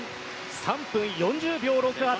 ３分４０秒６８。